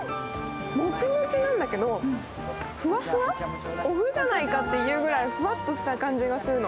モチモチなんだけどふわふわ、お麸じゃないかっていうぐらいフワフワした感じがするの。